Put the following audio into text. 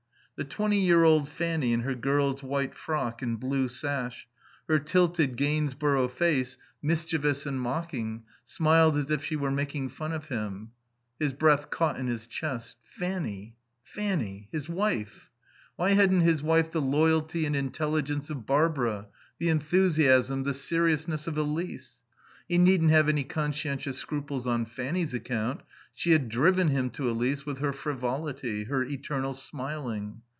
The twenty year old Fanny in her girl's white frock and blue sash; her tilted, Gainsborough face, mischievous and mocking, smiled as if she were making fun of him. His breath caught in his chest. Fanny Fanny. His wife. Why hadn't his wife the loyalty and intelligence of Barbara, the enthusiasm, the seriousness of Elise? He needn't have any conscientious scruples on Fanny's account; she had driven him to Elise with her frivolity, her eternal smiling.